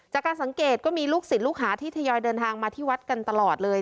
จากการสังเกตก็มีลูกศิษย์ลูกหาที่ทยอยเดินทางมาที่วัดกันตลอดเลย